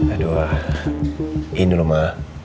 aduh ini loh ma